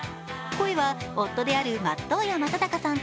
声は夫である松任谷正隆さん